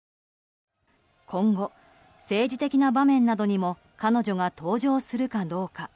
今後、政治的な場面などにも彼女が登場するかどうか。